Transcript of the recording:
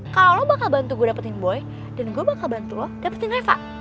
kalau lo bakal bantu gue dapetin boy dan gue bakal bantu lo dapetin reva